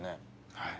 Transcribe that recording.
はい。